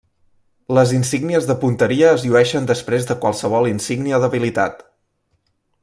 Les insígnies de punteria es llueixen després de qualsevol insígnia d'habilitat.